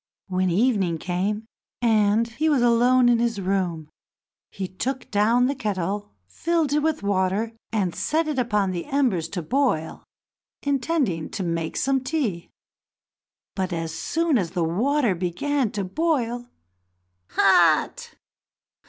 When evening came, and he was alone in his room, he took down the kettle, filled it with water, and set it upon the embers to boil, intending to make some tea. But, as soon as the water began to boil, "Hot!